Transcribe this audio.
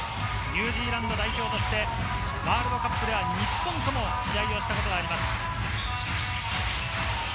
ニュージーランド代表としてワールドカップでは日本とも試合をしたことがあります。